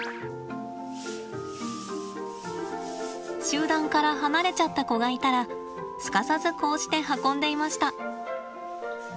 集団から離れちゃった子がいたらすかさずこうして運んでいました。